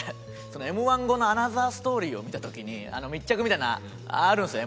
Ｍ−１後の『アナザーストーリー』を見た時に密着みたいなのあるんですよ